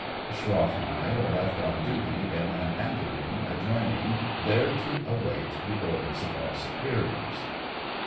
The schroff and I are left on duty in an ante room adjoining, there to await the orders of our superiors.